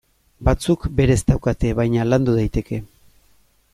Batzuk berez daukate, baina landu daiteke.